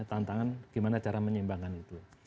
tantangan gimana cara menyeimbangkan itu